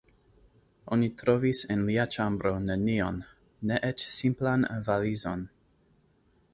Oni trovis en lia ĉambro nenion, ne eĉ simplan valizon.